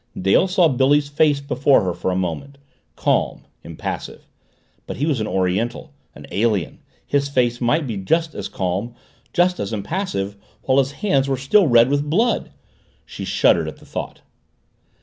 Dale saw Billy's face before her for a moment, calm, impassive. But he was an Oriental an alien his face might be just as calm, just as impassive while his hands were still red with blood. She shuddered at the thought.